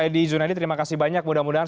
edi junadi terima kasih banyak mudah mudahan